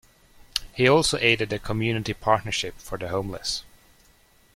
He also aided the Community Partnership for the Homeless.